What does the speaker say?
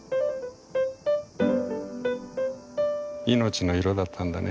「いのちの色」だったんだね。